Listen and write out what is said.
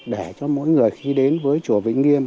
để cho mỗi người khi đến với chùa vĩnh nghiêm